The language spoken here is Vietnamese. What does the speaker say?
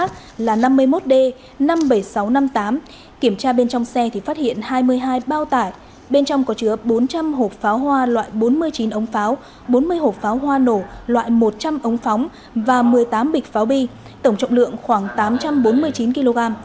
tổ công tác phát hiện biển số xe khác là năm mươi một d năm mươi bảy nghìn sáu trăm năm mươi tám kiểm tra bên trong xe thì phát hiện hai mươi hai bao tải bên trong có chứa bốn trăm linh hộp pháo hoa loại bốn mươi chín ống pháo bốn mươi hộp pháo hoa nổ loại một trăm linh ống phóng và một mươi tám bịch pháo bi tổng trọng lượng khoảng tám trăm bốn mươi chín kg